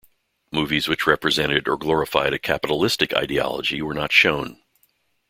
Movies which represented or glorified a capitalistic ideology were not shown.